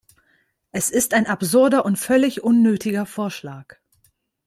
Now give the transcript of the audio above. Es ist ein absurder und völlig unnötiger Vorschlag.